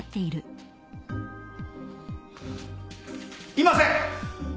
いません。